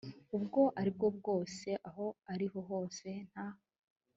ubwo ari bwo bwose aho ari hose nta